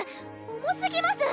重すぎます！